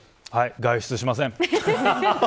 外出しません。